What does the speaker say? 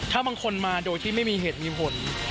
ถ้าบางคนมาโดยที่ไม่มีเหตุมีผล